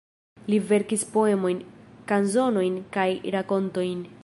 Li verkis poemojn, kanzonojn kaj rakontojn.